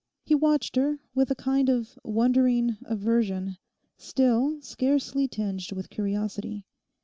He watched her with a kind of wondering aversion, still scarcely tinged with curiosity.